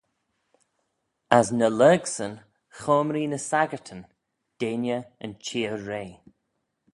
As ny lurg-syn choamree ny saggyrtyn, deiney yn cheer-rea.